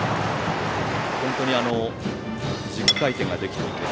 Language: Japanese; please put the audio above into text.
本当に軸回転ができている。